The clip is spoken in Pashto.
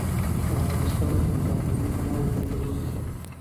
د افغانستان قابلي پلاو خوندور دی